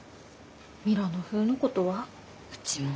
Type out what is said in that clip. ミラノ風のことはうちも。